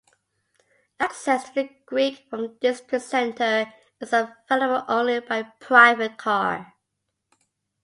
Access to the creek from the district center is available only by private car.